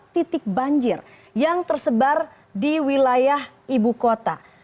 empat puluh empat titik banjir yang tersebar di wilayah ibu kota